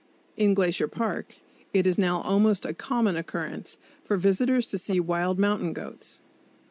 In Glacier Park it is now almost a common occurrence for visitors to see wild mountain goats.